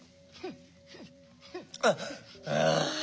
あっはあ。